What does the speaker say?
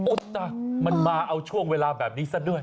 แต่มันมาเอาช่วงเวลาแบบนี้ซะด้วย